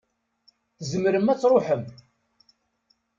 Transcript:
Tzemrem ad tṛuḥem.